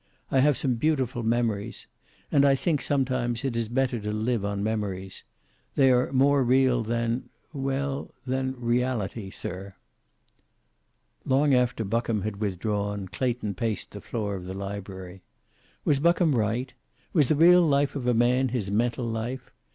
I have some beautiful memories. And I think sometimes it is better to live on memories. They are more real than well, than reality, sir." Long after Buckham had withdrawn, Clayton paced the floor of the library. Was Buckham right? Was the real life of a man his mental life?